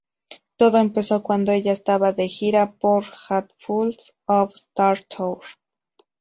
Todo empezó cuando ella estaba de gira por Hat Full of Stars Tour.